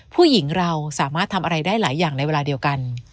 ผู้หญิงเราสามารถทำอะไรได้หลายอย่างในเวลาเดียวกัน